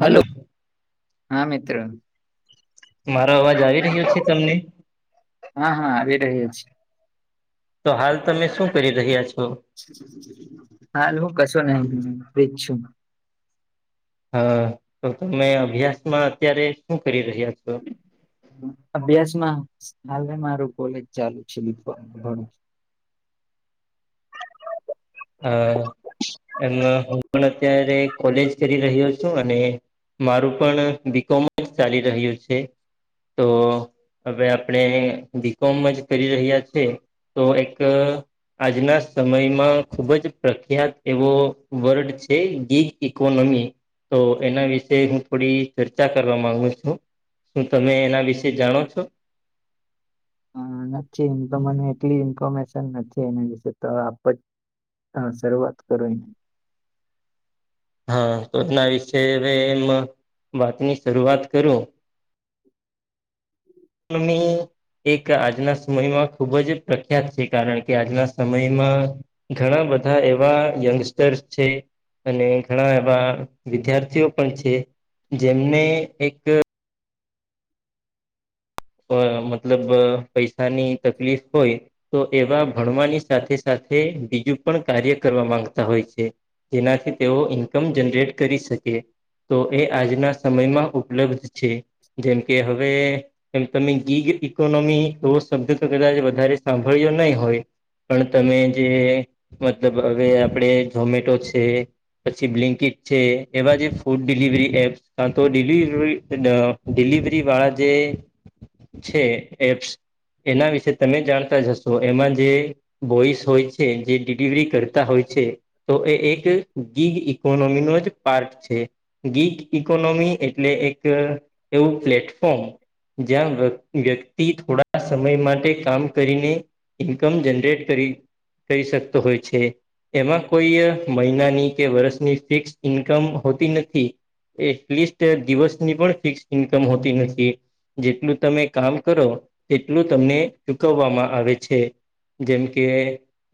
Hello હા મિત્ર મારો અવાજ આવી રહ્યો છે તમને? હા હા આવી રહ્યો છે. તો હાલ તમે શું કરી રહ્યા છો? હાલ હું કશું નહી ફ્રીજ છું. હા તો તમે અભ્યાસમાં અત્યારે શું કરી રહ્યા છો? અભ્યાસમાં હાલને મારું કોલેજ ચાલુ છે મિત્રો ભણું હ એમાં હું પણ અત્યારે કોલેજ કરી રહ્યો છું અને મારું પણ બીકોમ જ ચાલી રહ્યું છે તો હવે આપણે બીકોમ જ કરી રહ્યા છે તો એક આજના સમયમાં ખુબ જ પ્રખ્યાત એવો વર્ડ છે ગીગ ઇકોનોમી તો એના વિશે હું થોડી ચર્ચા કરવા માંગુ છું. શું તમે એના વિશે જાણો છો? હ નથી એમ તો મને એટલી ઇન્ફોર્મેશન નથી એના વિશે તો આપ હા શરૂઆત કરો. હા તોતના વિશે હવે એમાં વાતની શરૂઆત કરું. નોમી એક આજના સમયમાં ખૂબ જ પ્રખ્યાત છે કારણ કે આજના સમયમાં ઘણા બધા એવા યંગસ્ટર્સ છે. અને ઘણા એવા વિદ્યાર્થીઓ પણ છે જેમને એક મતલબ પૈસાની તકલીફ હોય તો એવા ભણવાની સાથે સાથે બીજું પણ કાર્ય કરવા માંગતા હોય છે. જેનાથી તેઓ ઇન્કમ જનરેટ કરી શકે તો એ આજના સમયમાં ઉપલબ્ધ છે જેમકે હવે એમ તમે ગીગ ઇકોનોમી એવો શબ્દ તો કદાચ વધારે સાંભળ્યો નહી હોય પણ તમે જે મતલબ હવે આપડે ઝોમેટો છે પછી બ્લિન્કટ છે એવા જે ફૂડ ડિલિવરી એપ્સ કા તો ડિલિવરી ડિલીવરી વાળા જે છે એપ્સ એના વિશે તમે જાણતા જશો એમાં જે બોઈસ હોય છે જે ડિલિવરી કર તા હોય છે તો એ એક ગીગ ઇકોનોમી નો જ પાર્ટ છે ગીટ ઇકોનોમી એટલે એક એવું પ્લેટફોર્મ જ્યાં વ્યક્તિ થોડા સમય માટે કામ કરીને ઇન્કમ જનરેટ કરી કરી શકતો હોય છે એમાં કોઈ મહિનાની કે વર્ષની ફિક્સ ઇન્કમ હોતી નથી એટલીસ્ટ દિવસની પણ ફિક્સ ઇન્કમ હોતી નથી જેટલું તમે કામ કરો તેટલું તમને ચૂકવવામાં આવે છે જેમ કે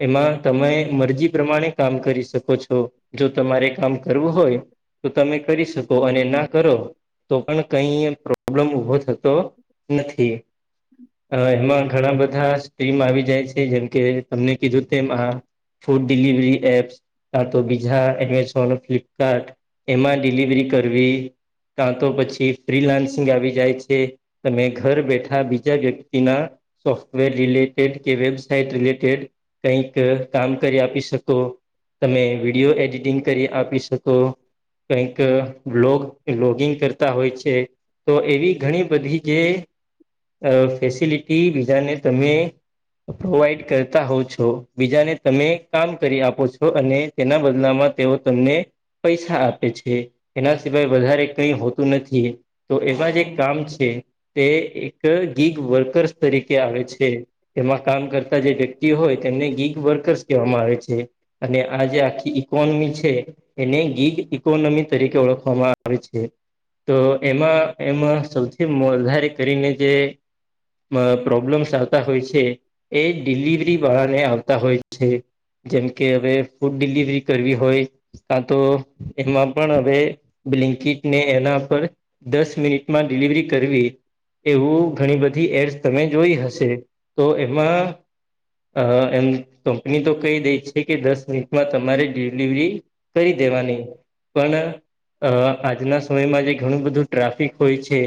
એમાં તમે મરજી પ્રમાણે કામ કરી શકો છો જો તમારે કામ કરવું હોય તો તમે કરી શકો અને ના કરો તો પણ કઈ પ્રોબ્લેમ ઊભો થતો નથી એમાં ઘણા બધા સ્ટ્રીમ આવી જાય છે જેમકે તમને કીધું તેમ આ ફૂડ ડિલિવરી એપ્સ તો બીજા એ ફ્લિપકાર્ટ એમાં ડિલિવરી કરવી કાં તો પછી ફ્રીલાન્સિંગ આવી જાય છે તમે ઘર બેઠા બીજા વ્યક્તિના સોફ્ટવેર રિલે કે વેબસાઇટ રિલેેટેડ કઈક કામ કરી આપી શકો તમે વિડીયો એડિટિંગ કરી આપી શકો કઈક બ્લોગ બ્લોગિંગ કરતા હોય છે તો એવી ઘણી જે ફેસિલિટી બીજાને તમે પ્રોવાઈડ કરતા હોવ છો બીજાને તમે કામ કરી આપો છો અને તેના બદલામાં તેઓ તમને પૈસા આપે છે એના સિવાય વધારે કઈ હોતું નથી તો એવા જે કામ તે એક ગીગ વર્કર્સ તરીકે આવે છે એમાં કામ કરતા જે વ્યક્તિ હોય તેમને ગીગ વર્કર્સ કહેવામાં આવે છે અને આ જે આખી ઈકોનોમી છે એને ગીગ ઇકોનોમી તરીકે ઓળખવામાં આવે છે તો એમાં એમ સૌથી વધારે કરીને જે પ્રોબ્લેમ્સ આવતા હોય છે એ ડિલિવરી વાળાને આવતા હોય છે જેમ કે હવે ફૂડ ડિલિવરી કરવી હોય કાતો એમાં પણ હવે બ્લેન્કીટને એના પર દસ મિનિટ માં ડિલીવરી એવું ઘણી બધી એડસ તમે જોઈ હશે તો એમાં અ એમ કંપની તો કહી દે છે કે દસ મિનિટમાં તમારે ડિલિવરી કરી દેવાની પણ અ આજના સમયમાં જે ઘણું બધું ટ્રાફિક હોય છે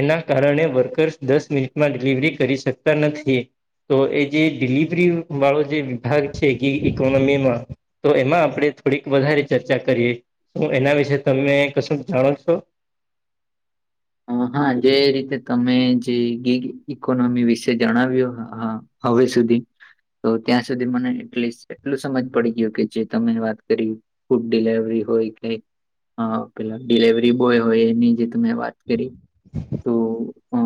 એના કારણે વર્કર્સ દસ મિનિટમાં ડિલિવરી કરી શકતા નથી તો એ જે ડિલિવરી વાળો જે વિભાગ છે કે કોનોમીમાં તો એમાં આપડે થોડીક વધારે ચર્ચા કરીએ હું એના વિશે તમે કશું જાણો છો? હા જે રીતે તમે જે ગીગ ઈકોનોમી વિશે જણાવ્યું હા હવે સુધી તો ત્યાં સુધી મને એટલીસ્ટ એટલું સમજ પડી ગયું કે જે તમે વાત કરી ફૂડ ડિલેવરી હોય કે પેલા ડિલેવરી બોય હોય એની જે તમે વાત કરી તો અ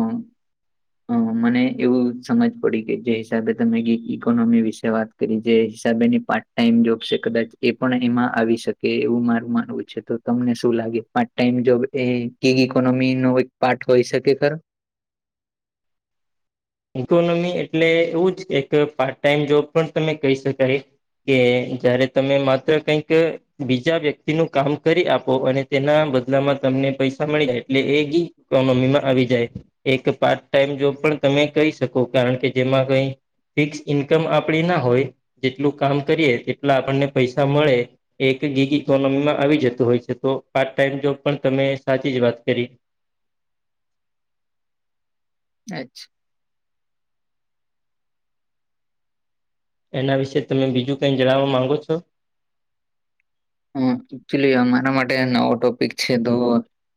હ મને એવું સમજ પડી કે જે હિસાબે તમે ઈકોનોમી વિશે વાત જે હિસાબેની પાર્ટ ટાઈમ જોબ છે કદાચ એ પણ એમાં આવી શકે એવું મારું માનવું છે તો તમને શું લાગે પાર્ટ ટાઈમ જોબ એ ક ઇકોનોમી નો એક પાર્ટ હોય શકે ખરો ઇકોનોમી એટલે એવું જ એક પાર્ટ ટાઈમ જોબ પણ તમે કહી શકાય કે જયારે તમે માત્ર કંઈક બીજા વ્યક્તિ નું કામ કરી આપો અને તેના બદલામાં તમને પૈસા મળી એટલે એ જી ઇકોનોમી માં આવી જાય છે. એક પાર્ટ ટાઈમ જો પણ તમે કહી શકો કારણ કે જેમાં કઈ. ફિક્સ ઈન્કમ આપડી ના હોય જેટલું કામ કરીએ તેટલા આપણને પૈસા મળે. એક ગીગ ઇકોનોમીમાં આવી જતું હોય છે તો પાર્ટ ટાઈમ જો પણ તમે સાચી જ વાત કરી. અચ્છા. એના વિશેે તમે બીજું કઈ જણાવવા માંગો છો. હ એકચુલીમારા માટે નવો ટોપિક છે તો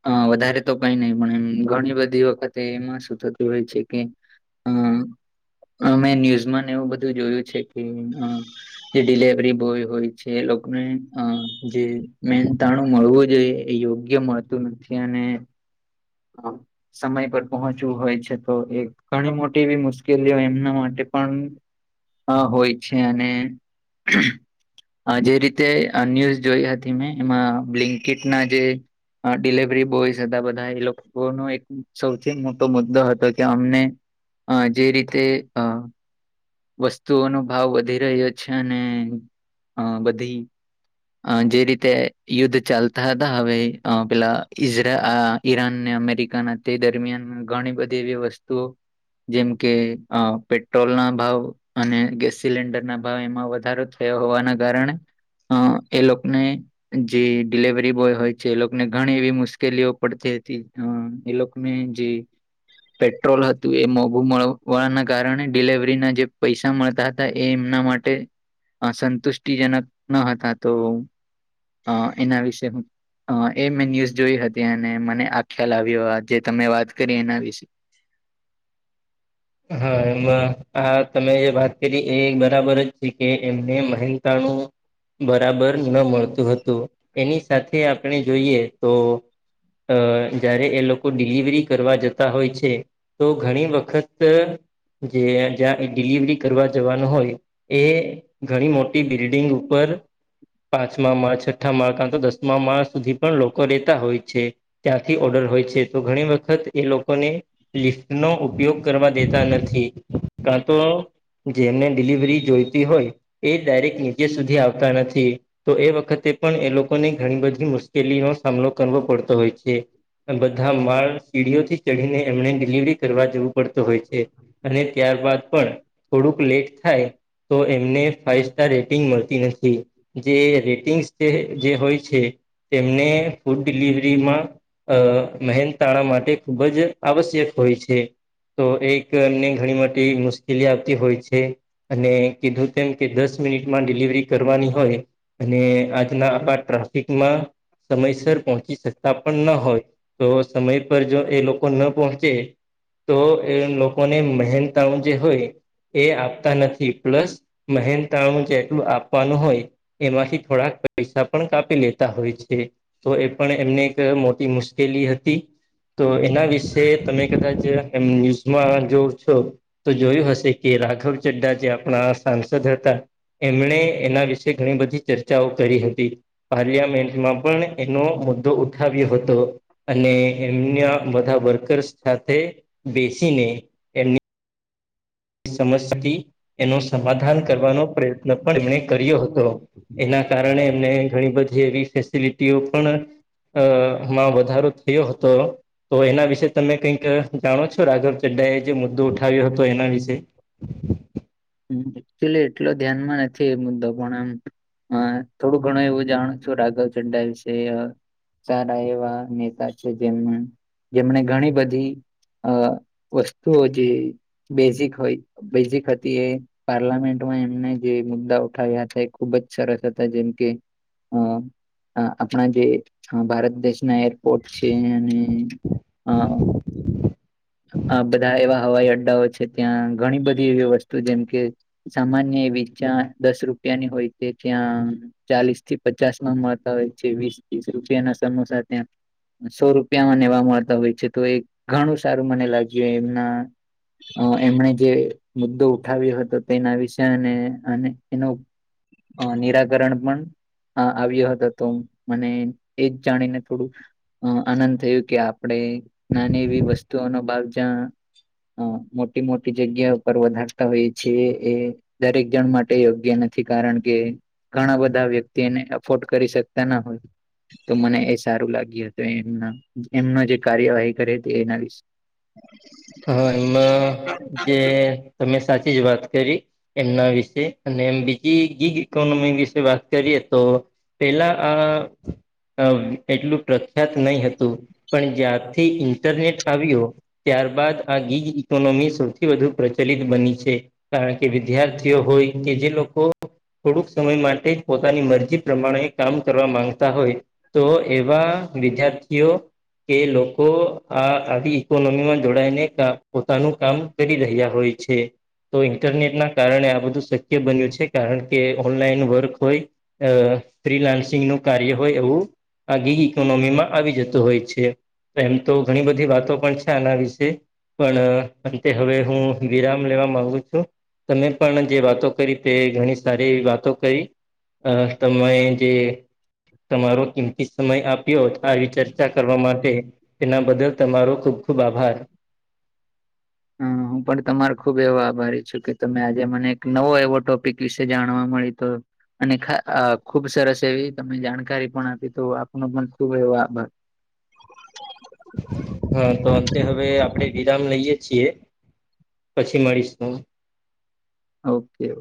હ વધારે તો કઈ નહી પણ એમ ઘણી બધી વખતે એમાં શું થતી હોય છે કે [inaudible] મેં ન્યૂઝમાં એવું બધું જોયું છે કે. જે ડિલેવરી બોય હોય છે એ લોકોને. અ જે મેનતાણું મળવું જોઈએ એ યોગ્ય મળતું નથી અને હા સમય પર પહોંચવું હોય છે તો એ ઘણી મોટી એવી મુશ્કેલીઓ એમના માટે પણ હ હોય છે અને જે રીતે. ન્યૂઝ જોઈ હતી મેં એમાં બ્લિન્ટના જે ડિલવરી બોયસ હતા બધા એ લોકોનો એક સૌથી મોટો મુદ્દો હતો કે અમને હ જે રીતે અ વસ્તુઓનો ભાવ વધી રહ્યો છે અને અ બધી અ જે રીતે યુદ્ધ ચાલતા હતા હવે પેલા ઈઝરા ઈરાન ને અમેરિકાના તે દરમિયાન ઘણી બધી એવી વસ્તુઓ. જેમ કે અ પેટ્રોલ ના ભાવ અને ગેસ સિલિન્ડરના ભાવ એમાં વધારો થયો હોવાના કારણે. અ એ લોકોને જે ડડીલવરી બોય હોય છે એ લોકોને ઘણી એવી મુશ્કેલીઓ પડતી હતી એ લોકો જે પેટ્રોલ હતું એ મોઘુળાના કારણે ડિલવરીના જે પૈસા મળતા હતા એ એમના માટે. અ સંતુષ્ટિજનક ન હતા તો એના વિશે હું. અ એ મેં ન્યૂઝ જોઈ હતી અને મને આ ખ્યાલ આવ્યો જે તમે વાત કરી એના વિશે હા એમાં આ તમે જે વાત કરી એ બરાબર જ છે કે એમને મહેનતા નું. બરાબર ન મળતું હતું એની સાથે આપણે જોઈએ તો અ જયારે એ લોકો ડિલિવરી કરવા જતા હોય છે તો ઘણી વખત- જે જ્યાં ડિલિવરી કરવા જવાનું હોય. એ ઘણી મોટી બિલ્ડિંગ ઉપર. પાંચમા માળ છઠ્ઠા માળ કારણ તો દસમા માળ સુધી પણ લોકો રહેેતા હોય છે. ત્યાંથી ઓર્ડર હોય છે તો ઘણી વખત એ લોકોને લિફ્ટનો ઉપયોગ કરવા દેતા નથી કા તો જેમને ડિલિવરી જોઈતી હોય. એ ડાયરેક્ટ નીચે સુધી આવતા નથી. તો એ વખતે પણ એ લોકોને ઘણી બધી મુશ્કેલીનો સામનો કરવો પડતો હોય છે. બધા માળ સીડીઓથી ચઢીને એમને ડિલિવરી કરવા જવું પડતો હોય છે અને ત્યારબાદ પણ થોડુંક લેટ થાય. તો એમને ફાઈવ સ્ટાર રેટિંગ મળતી નથી. જે રેટિંગ્સ જે હોય છે તેમને ફૂડ ડિલિવરીમાં અ મહેનતાળા માટે ખૂબ જ આવશ્યક હોય છે. તો એક એમને ઘણી મોટી મુશ્કેલી આવતી હોય છે. અને કીધું તેમ કે દસ મિનિટમાં ડિલિવરી કરવાની હોય અને આજના આપણા ટ્રાફિકમાં સમયસર પહોંચી શકતા પણ ન હોય તો સમય પર જો એ લોકો ન પહોંચે તો એ લોકોને મહેનતાઓ જે હોય એ આપતા નથી પ્લસ મહેન તાણું જેટલું આપવાનું હોય. એમાંથી થોડાક પૈસા પણ કાપી લેતા હોય છે. તો એ પણ એમને એક મોટી મુશ્કેલી હતી. તો એના વિશે તમે કદાચ એમ ન્યૂઝમાં જોવ છો. તો જોયું હશે કે રાઘવ ચડા જે આપણા સાંસદ હતા. એમણે એના વિશે ઘણી બધી ચર્ચાઓ કરી હતી. પાર્લિયામેન્ટમાં પણ એનો મુદ્દો ઉઠાવ્યો હતો. અને એમના બધા વર્કર્સ સાથે બેસીને સમસ્યા હતી એનો સમાધાન કરવાનો પ્રયત્ન પણ એમને કર્યો હતો એના કારણે એમને ઘણી બધી એવી ફેસિલિટીઓ પણ અ માં વધારો થયો હતો તો એના વિશે તમે કંઈક જાણો છો રાઘવ ચડ્ડા એ જે મુદ્દો ઉઠાવ્યો હતો એના વિશે? હ એકચુલી એટલો ધ્યાનમાં નથી એ મુદ્દો પણ આમ હા થોડું ઘણું એવું જાણું છું રાઘવ ચડ્ડા‌ વિશે. સારા એવા નેતા છે જેમ જેમને ઘણી બધી અ વસ્તુઓ જે બેઝિક હોય બેઝિક પાર્લામેન્ટમાં એમને જે મુદ્દા ઉઠાવ્યા હતા એ ખુબ જ સરસ હતા જેમ કે અ આપણા જે ભારત દેશ ના [unintelligible] બધા એવા હવાઈ અડ્ડાઓ છે ત્યાં ઘણી બધી એવી વસ્તુ જેમ કે સામાન્ય એવીચ્યાં દસ રૂપિયાની હોય છે ત્યાં ચાલીસ થી પચાસમાં મળતા હોય છે વીસ ત્રીસ રૂપિયા ના સમોસા ત્યાં સો રૂપિયામાં નેવા મળતા હોય છે તો એ ઘણું સારું મને લાગ્યું એમના અ એમણે જે મુદ્દો ઉઠાવ્યો હતો તેના વિશે અને અને એનો હ નિરાકરણ પણ હ આવ્યો હતો તો મને એજ જાણીને થોડું અ આનંદ થયું કે આપણેે નાની એવી વસ્તુઓનો બાવ જ્યાં હ મોટી મોટી જગ્યા ઉપર વધારે તો એ છે એ દરેક જણ માટે યોગ્ય નથી કારણ કે ઘણા બધા વ્યક્તિ એને અફોર્ડ કરી શકતા ના હોય. તો મને એ સારું લાગ્યું હતું એમ એમનો જે કાર્યવાહી કરે હતી એના વિશે હા એમાં જે તમે સાચી જ વાત કરી. એમના વિશે અને એમ બીજી ગીગ ઇકોનોમી વિશે વાત કરીએ તો પેલા આ એટલું પ્રખ્યાત નહ હતું. પણ જ્યારથી ઇન્ટરનેટ આવ્યો ત્યાર બાદ આ ગીજ ઇકોનોમી સૌથી વધુ પ્રચલિત બની છે. કારણ કે વિદ્યાર્થીઓ હોય કે જે લોકો થોડુંક સમય માટે જ પોતાની મરજી પ્રમાણે કામ કરવા માંગતા હોય તો એવા વિદ્યાર્થીઓ કે લોકો આ આવી ઈકોનોમીમાં જોડાઈને પોતાનું કામ કરી રહ્યા હોય છે. તો ઇન્ટરનેટ ના કારણે આ બધું શક્ય બન્યું છે કારણ કે ઓનલાઈન વર્ક હોય. અ ફ્રીલાન્સિંગ નું કાર્ય હોય એવું આ ગી ઇકોનોમી માં આવી જતો હોય છે એમ તો ઘણી બધી વાતો પણ છે આના વિશે. પણ અંતે હવે હું વિરામ લેવા માગુ છું. તમે પણ જે વાતો કરી તે ઘણી સારી વાતો કરી અ તમે જે તમારો કિંમતી સમય આપ્યો આવી ચર્ચા કરવા માટે એના બદલ તમારો ખૂબ ખુબ આભાર હ હું પણ તમારે ખુબ એવો આભારી છું કે તમે આજે મને એક નવો એવો ટોપિક વિશે જાણવા મળી તો અને ખુબ સરસ એવી તમે જાણકારી પણ આપી તો આપનો પણ ખુબ એવો આભાર હા તો અંતે હવે આપડે વિરામ લઈએ છીએ પછી મળીશું ઓકે